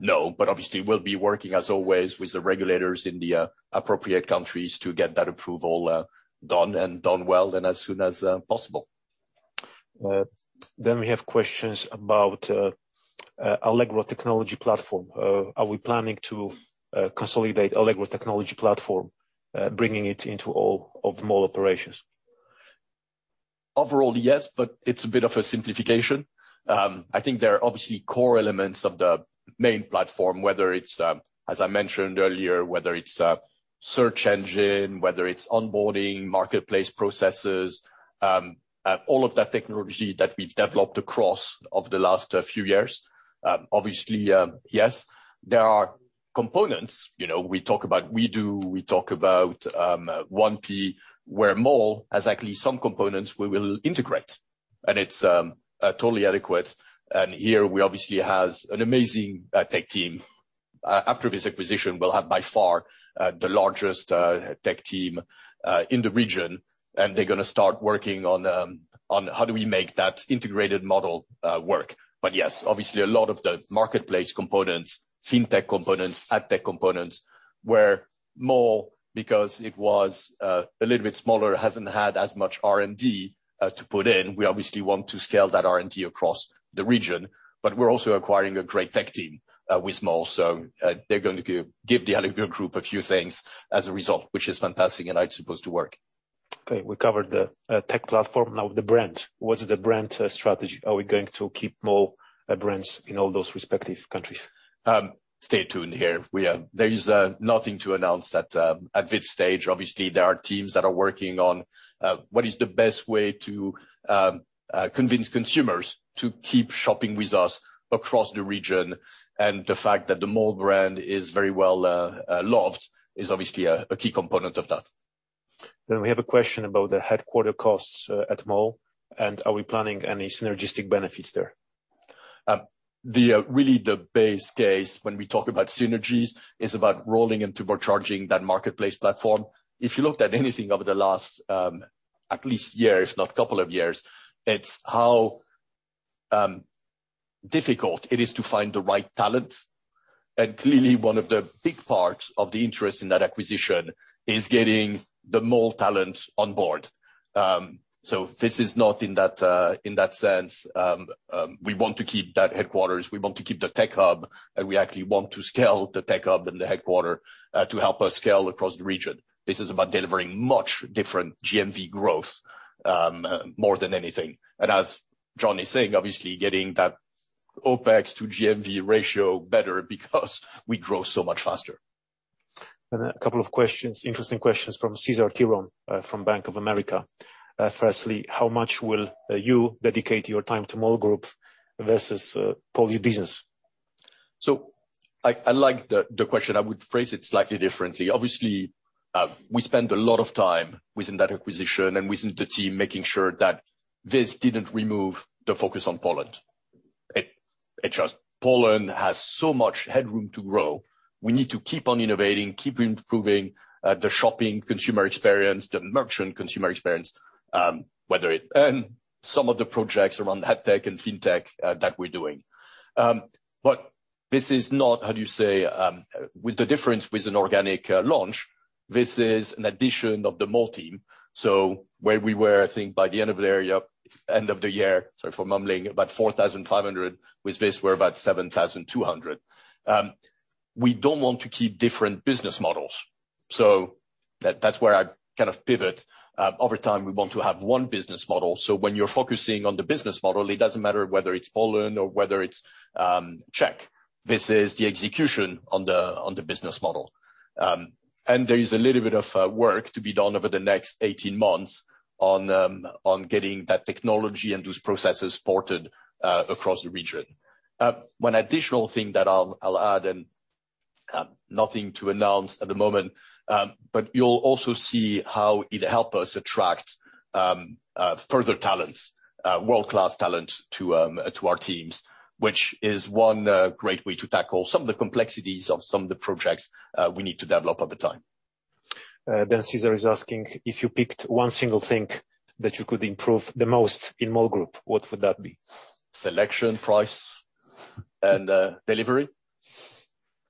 No, but obviously we'll be working as always with the regulators in the appropriate countries to get that approval done and done well and as soon as possible. We have questions about Allegro technology platform. Are we planning to consolidate Allegro technology platform, bringing it into all of Mall operations? Overall, yes, but it's a bit of a simplification. I think there are obviously core elements of the main platform, whether it's, as I mentioned earlier, whether it's a search engine, whether it's onboarding, marketplace processes, all of that technology that we've developed across over the last few years. Obviously, yes, there are components, you know, we talk about WE|DO, we talk about, 1P where Mall has actually some components we will integrate, and it's, totally adequate. Here we obviously has an amazing, tech team. After this acquisition, we'll have by far, the largest, tech team, in the region, and they're gonna start working on how do we make that integrated model, work. Yes, obviously a lot of the marketplace components, fintech components, ad tech components, where Mall, because it was a little bit smaller, hasn't had as much R&D to put in. We obviously want to scale that R&D across the region, but we're also acquiring a great tech team with Mall. They're going to give the Allegro Group a few things as a result, which is fantastic, and I suppose to work. Okay, we covered the tech platform. Now the brand. What's the brand strategy? Are we going to keep Mall brands in all those respective countries? Stay tuned here. There is nothing to announce at this stage. Obviously, there are teams that are working on what is the best way to convince consumers to keep shopping with us across the region, and the fact that the Mall brand is very well loved is obviously a key component of that. We have a question about the headquarters costs at Mall, and are we planning any synergistic benefits there? Really the base case when we talk about synergies is about rolling and turbocharging that marketplace platform. If you looked at anything over the last at least year, if not couple of years, it's how difficult it is to find the right talent. Clearly one of the big parts of the interest in that acquisition is getting the Mall talent on board. This is not in that sense. We want to keep that headquarters, we want to keep the tech hub, and we actually want to scale the tech hub and the headquarters to help us scale across the region. This is about delivering much different GMV growth more than anything. As Jon is saying, obviously getting that OPEX to GMV ratio better because we grow so much faster. A couple of interesting questions from Cesar Tiron from Bank of America. Firstly, how much will you dedicate your time to Mall Group versus Polish business? I like the question. I would phrase it slightly differently. Obviously, we spend a lot of time within that acquisition and within the team making sure that this didn't remove the focus on Poland. It just, Poland has so much headroom to grow. We need to keep on innovating, keep improving the shopping consumer experience, the merchant consumer experience, some of the projects around ad tech and fintech that we're doing. But this is not, how do you say, with the difference with an organic launch, this is an addition of the Mall team. Where we were, I think by the end of the year, sorry for mumbling, about 4,500, with this we're about 7,200. We don't want to keep different business models. That's where I kind of pivot. Over time, we want to have one business model, so when you're focusing on the business model, it doesn't matter whether it's Poland or whether it's Czech. This is the execution on the business model. There is a little bit of work to be done over the next 18 months on getting that technology and those processes supported across the region. One additional thing that I'll add, and nothing to announce at the moment, but you'll also see how it'll help us attract further talents, world-class talent to our teams, which is one great way to tackle some of the complexities of some of the projects we need to develop over time. Cesar is asking, if you picked one single thing that you could improve the most in Mall Group, what would that be? Selection, price, and delivery.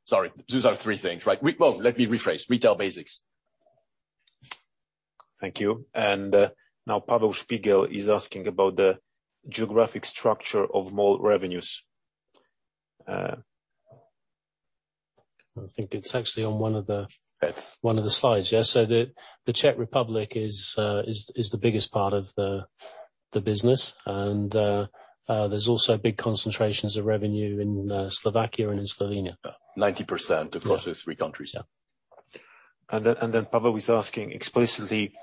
Sorry, those are three things, right? Well, let me rephrase. Retail basics. Thank you. Now Paweł Szpigiel is asking about the geographic structure of Mall revenues. I think it's actually on one of the. It's- One of the slides, yes. The Czech Republic is the biggest part of the business. There's also big concentrations of revenue in Slovakia and in Slovenia. 90% across those three countries. Yeah. Paweł was asking explicitly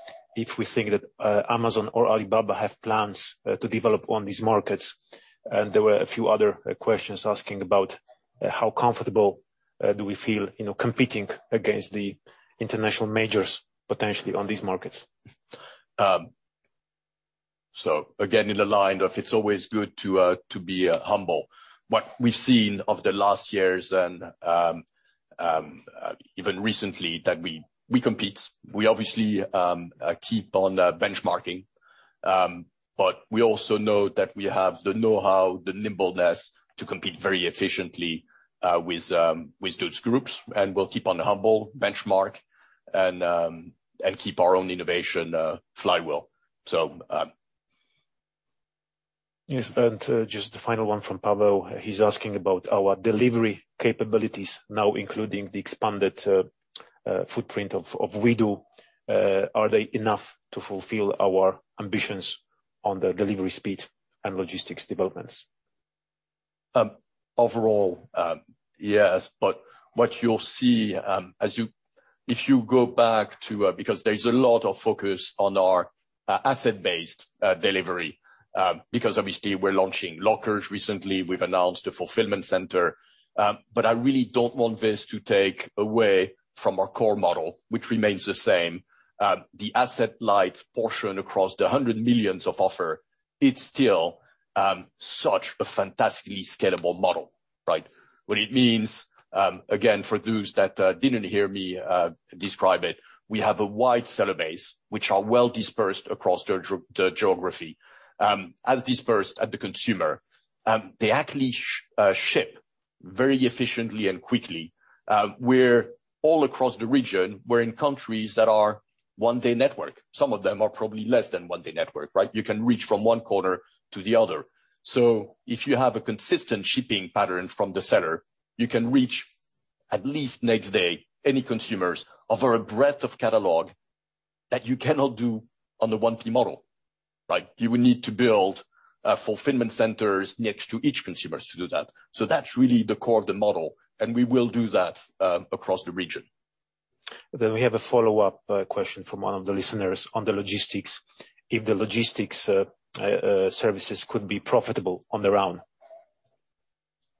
if we think that Amazon or Alibaba have plans to develop on these markets. There were a few other questions asking about how comfortable do we feel, you know, competing against the international majors potentially on these markets. Again, along the lines of it's always good to be humble. What we've seen over the last years and even recently is that we compete, we obviously keep on benchmarking. We also know that we have the know-how, the nimbleness to compete very efficiently with those groups, and we'll keep on humbly benchmarking and keep our own innovation flywheel. Yes, just the final one from Paweł. He's asking about our delivery capabilities now including the expanded footprint of WE|DO. Are they enough to fulfill our ambitions on the delivery speed and logistics developments? Overall, yes. What you'll see, if you go back to, because there's a lot of focus on our asset-based delivery, because obviously we're launching lockers recently, we've announced a fulfillment center. I really don't want this to take away from our core model, which remains the same. The asset-light portion across the hundreds of millions of offers, it's still such a fantastically scalable model, right? What it means, again, for those that didn't hear me describe it, we have a wide seller base, which are well dispersed across geography, as dispersed as the consumer. They actually ship very efficiently and quickly. We're all across the region. We're in countries that are one-day network. Some of them are probably less than one-day network, right? You can reach from one corner to the other. If you have a consistent shipping pattern from the seller, you can reach at least next day any consumers over a breadth of catalog that you cannot do on the 1P model, right? You will need to build fulfillment centers next to each consumers to do that. That's really the core of the model, and we will do that across the region. We have a follow-up question from one of the listeners on the logistics. If the logistics services could be profitable on their own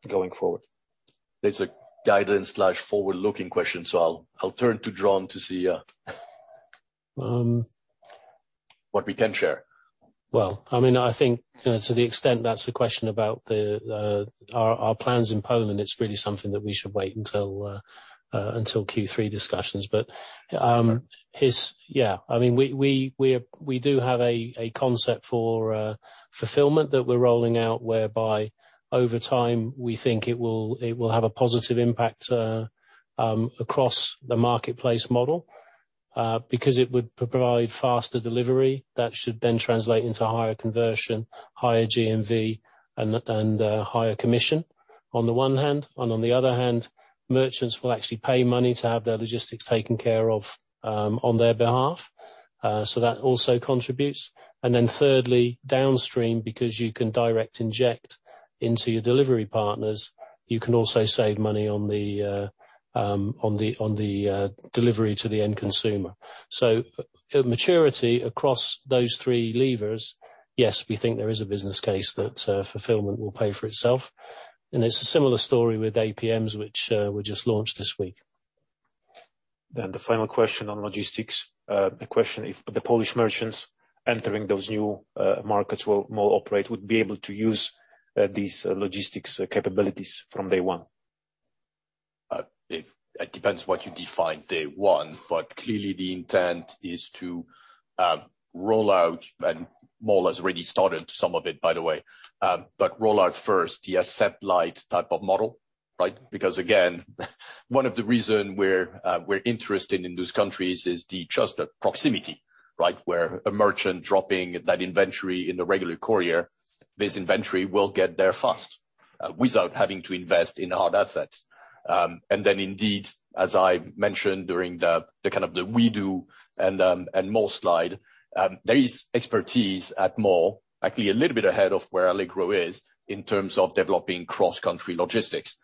going forward? That's a guidance/forward-looking question, so I'll turn to Jon to see what we can share. I mean, I think, you know, to the extent that's a question about our plans in Poland, it's really something that we should wait until Q3 discussions. Yeah, I mean, we do have a concept for fulfillment that we're rolling out, whereby over time, we think it will have a positive impact across the marketplace model. Because it would provide faster delivery that should then translate into higher conversion, higher GMV and higher commission on the one hand. On the other hand, merchants will actually pay money to have their logistics taken care of on their behalf. So that also contributes. Thirdly, downstream, because you can directly inject into your delivery partners, you can also save money on the delivery to the end consumer. At maturity across those three levers, yes, we think there is a business case that fulfillment will pay for itself. It's a similar story with APMs which we just launched this week. The final question on logistics. The question, if the Polish merchants entering those new markets will Mall operate, would be able to use these logistics capabilities from day one? It depends what you define day one, but clearly the intent is to roll out, and Mall has already started some of it, by the way. Roll out first the asset-light type of model, right? Because again, one of the reason we're interested in those countries is just the proximity, right? Where a merchant dropping that inventory in the regular courier, this inventory will get there fast without having to invest in hard assets. Then indeed, as I mentioned during the kind of the WE|DO and Mall slide, there is expertise at Mall, actually a little bit ahead of where Allegro is in terms of developing cross-country logistics.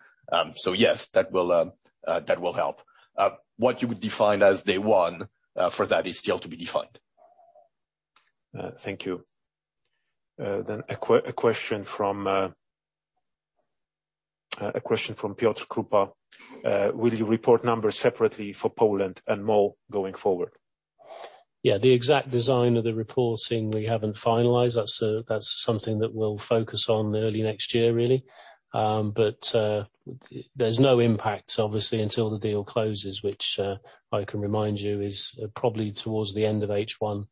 Yes, that will help. What you would define as day one for that is still to be defined. Thank you. A question from Piotr Krupa. Will you report numbers separately for Poland and Mall going forward? Yeah. The exact design of the reporting we haven't finalized. That's something that we'll focus on early next year, really. There's no impact, obviously, until the deal closes, which I can remind you is probably towards the end of H1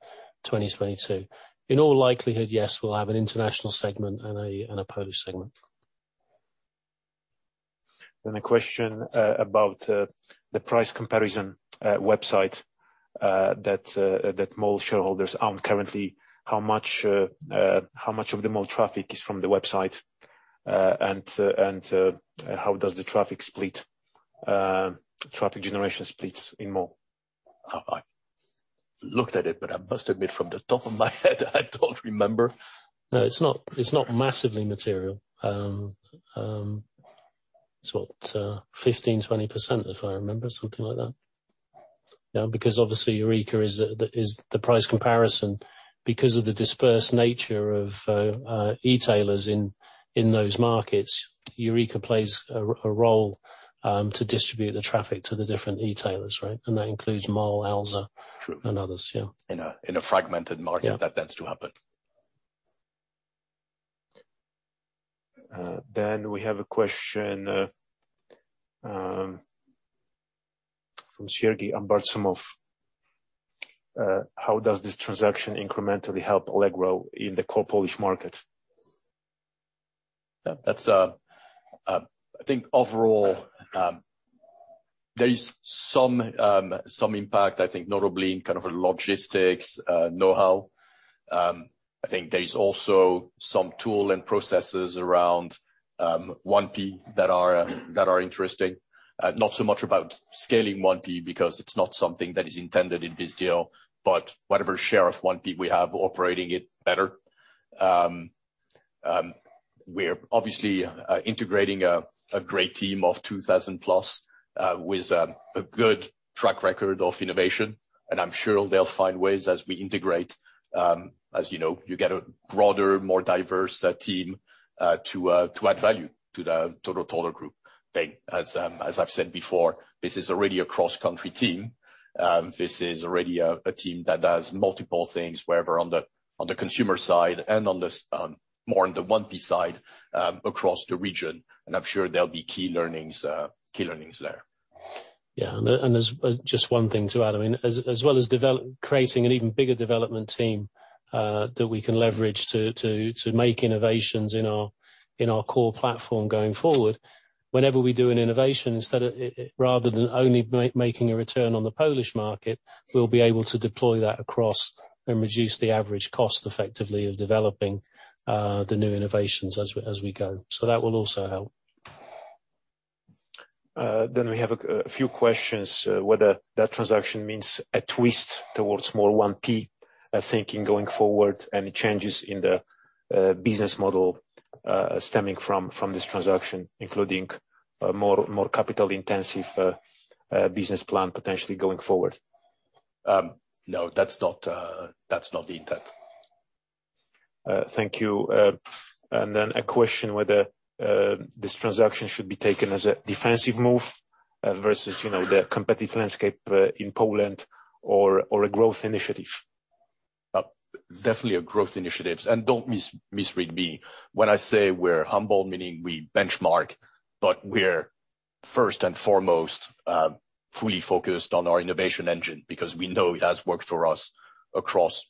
2022. In all likelihood, yes, we'll have an international segment and a Poland segment. A question about the price comparison website that Mall shareholders own currently. How much of the Mall traffic is from the website? How does the traffic split, traffic generation splits in Mall? I looked at it, but I must admit from the top of my head, I don't remember. No, it's not, it's not massively material. It's what, 15%-20%, if I remember, something like that. You know, because obviously Heureka is the price comparison. Because of the dispersed nature of e-tailers in those markets, Heureka plays a role to distribute the traffic to the different e-tailers, right? That includes Mall, Alza- True. and others, yeah. In a fragmented market. Yeah. That tends to happen. We have a question from Sergey Ambartsumov. How does this transaction incrementally help Allegro in the core Polish market? That's, I think overall, there is some impact, I think notably in kind of a logistics know-how. I think there is also some tool and processes around 1P that are interesting. Not so much about scaling 1P because it's not something that is intended in this deal, but whatever share of 1P we have operating it better. We're obviously integrating a great team of +2,000 with a good track record of innovation. I'm sure they'll find ways as we integrate. As you know, you get a broader, more diverse team to add value to the total group thing. As I've said before, this is already a cross-country team. This is already a team that does multiple things, whether on the consumer side and on the more on the 1P side, across the region. I'm sure there'll be key learnings there. There's just one thing to add. I mean, as well as creating an even bigger development team that we can leverage to make innovations in our core platform going forward, whenever we do an innovation, instead of rather than only making a return on the Polish market, we'll be able to deploy that across and reduce the average cost effectively of developing the new innovations as we go. That will also help. We have a few questions whether that transaction means a twist towards more 1P thinking going forward, any changes in the business model stemming from this transaction, including more capital-intensive business plan potentially going forward. No, that's not the intent. Thank you. A question whether this transaction should be taken as a defensive move versus, you know, the competitive landscape in Poland or a growth initiative. Definitely a growth initiatives. Don't misread me. When I say we're humble, meaning we benchmark, but we're first and foremost fully focused on our innovation engine because we know it has worked for us across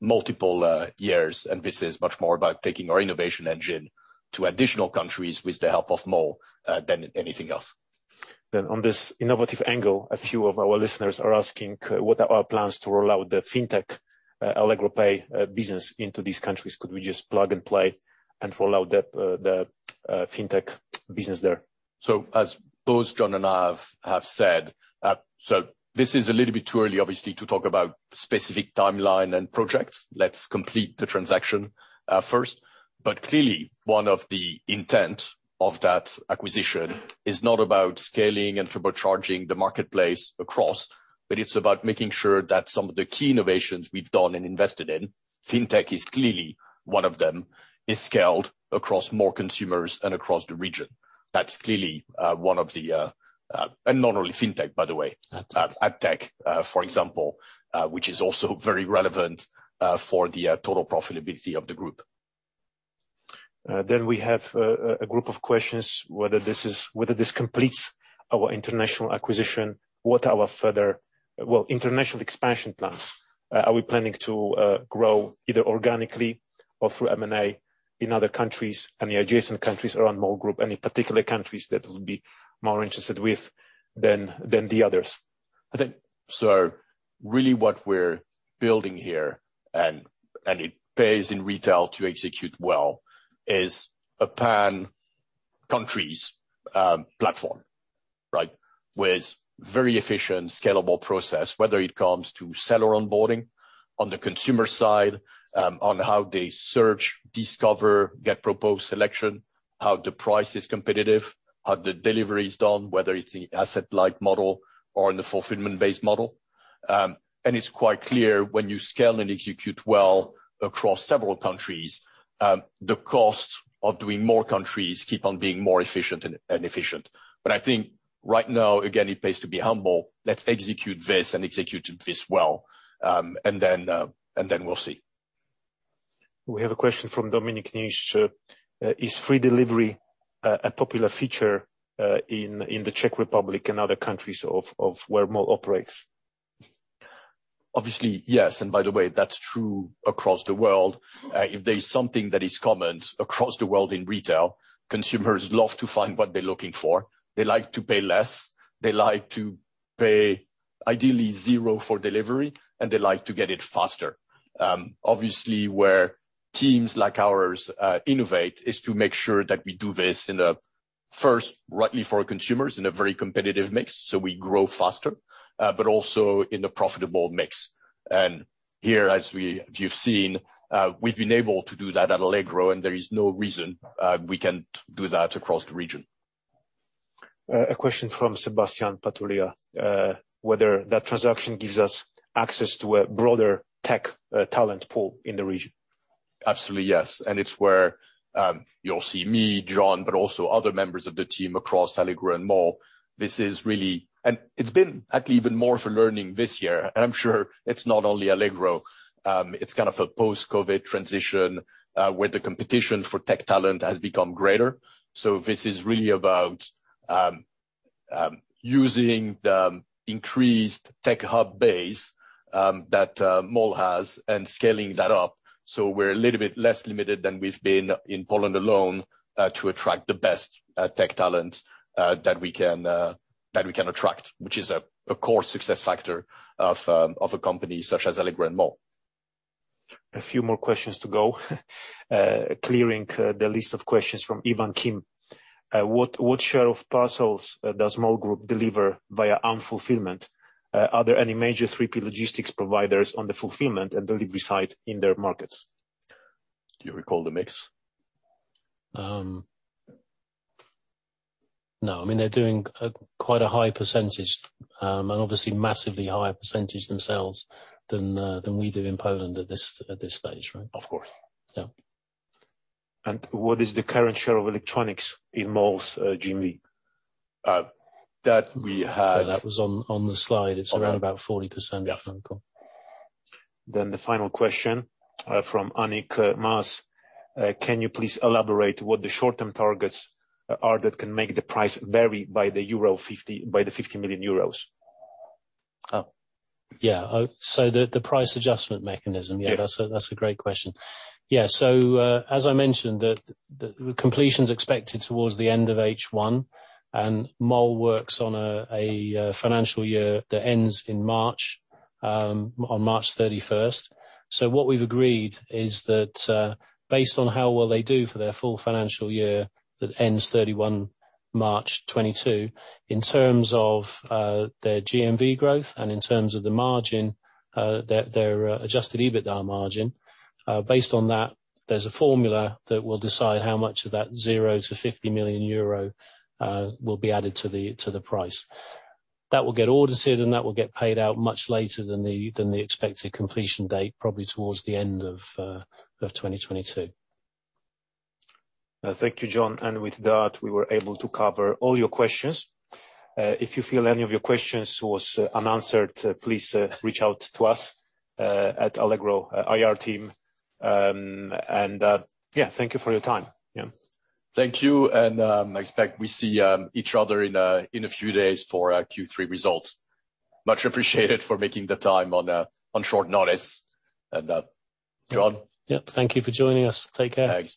multiple years, and this is much more about taking our innovation engine to additional countries with the help of Mall than anything else. On this innovative angle, a few of our listeners are asking what are our plans to roll out the fintech, Allegro Pay, business into these countries. Could we just plug and play and roll out the fintech business there? As both John and I have said, this is a little bit too early, obviously, to talk about specific timeline and projects. Let's complete the transaction first. Clearly, one of the intent of that acquisition is not about scaling and turbocharging the marketplace across, but it's about making sure that some of the key innovations we've done and invested in, fintech is clearly one of them, is scaled across more consumers and across the region. That's clearly one of the. Not only fintech, by the way. AdTech. Ad tech, for example, which is also very relevant for the total profitability of the group. We have a group of questions whether this completes our international acquisition, what our further international expansion plans. Are we planning to grow either organically or through M&A in other countries and the adjacent countries around Mall Group, any particular countries that we'll be more interested with than the others? I think so really what we're building here, and it pays in retail to execute well, is a pan-CEE platform, right, with very efficient, scalable process, whether it comes to seller onboarding on the consumer side, on how they search, discover, get proposed selection, how the price is competitive, how the delivery is done, whether it's the asset-light model or in the fulfillment-based model. It's quite clear when you scale and execute well across several countries, the cost of doing more countries keep on being more efficient and efficient. I think right now, again, it pays to be humble. Let's execute this and execute this well, and then we'll see. We have a question from Dominik Nisz. Is free delivery a popular feature in the Czech Republic and other countries of where Mall operates? Obviously, yes. By the way, that's true across the world. If there's something that is common across the world in retail, consumers love to find what they're looking for. They like to pay less, they like to pay ideally zero for delivery, and they like to get it faster. Obviously, where teams like ours innovate is to make sure that we do this in a first-rate way for our consumers in a very competitive mix, so we grow faster, but also in a profitable mix. Here, as we've seen, we've been able to do that at Allegro, and there is no reason we can't do that across the region. A question from Sebastian Patulea whether that transaction gives us access to a broader tech talent pool in the region. Absolutely, yes. It's where you'll see me, Jon, but also other members of the team across Allegro and Mall. This is really. It's been actually even more for learning this year. I'm sure it's not only Allegro, it's kind of a post-COVID transition where the competition for tech talent has become greater. This is really about using the increased tech hub base that Mall has and scaling that up. We're a little bit less limited than we've been in Poland alone to attract the best tech talent that we can attract, which is a core success factor of a company such as Allegro and Mall. A few more questions to go. Clearing the list of questions from Ivan Kim. What share of parcels does Mall Group deliver via own fulfillment? Are there any major 3P logistics providers on the fulfillment and delivery side in their markets? Do you recall the mix? No, I mean, they're doing quite a high percentage, and obviously massively higher percentage themselves than we do in Poland at this stage, right? Of course. Yeah. What is the current share of electronics in Mall's GMV? Uh, that we had- That was on the slide. It's around about 40%. Yeah. The final question from Annick Maas. Can you please elaborate what the short-term targets are that can make the price vary by 50 million euros? Oh, yeah. Oh, so the price adjustment mechanism. Yes. Yeah, that's a great question. Yeah, so as I mentioned, the completion's expected towards the end of H1, and Mall works on a financial year that ends in March, on March 31. What we've agreed is that, based on how well they do for their full financial year that ends 31 March 2022, in terms of their GMV growth and in terms of the margin, their adjusted EBITDA margin, based on that, there's a formula that will decide how much of that 0 million-50 million euro will be added to the price. That will get audited, and that will get paid out much later than the expected completion date, probably towards the end of 2022. Thank you, Jon, and with that, we were able to cover all your questions. If you feel any of your questions was unanswered, please reach out to us at Allegro IR team. Thank you for your time. Thank you. I expect we see each other in a few days for our Q3 results. Much appreciated for making the time on short notice. Jon? Yep, thank you for joining us. Take care. Thanks.